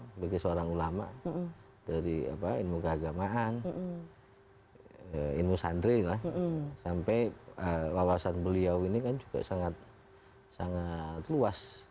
sebagai seorang ulama dari ilmu keagamaan ilmu santri lah sampai wawasan beliau ini kan juga sangat luas